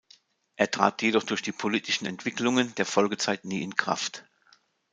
Er trat jedoch durch die politischen Entwicklungen der Folgezeit nie in Kraft.